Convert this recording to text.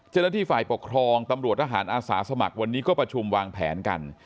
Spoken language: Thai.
เจ้าหน้าที่ฝ่ายปกครองตำรวจทหารอาสาสมัครวันนี้ก็ประชุมวางแผนกัน